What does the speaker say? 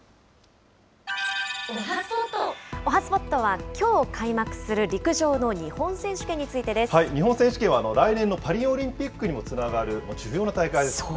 おはＳＰＯＴはきょう開幕す日本選手権は来年のパリオリンピックにもつながる重要な大会ですよね。